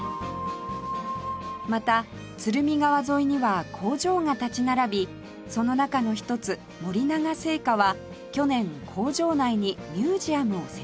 また鶴見川沿いには工場が立ち並びその中の一つ森永製菓は去年工場内にミュージアムを設立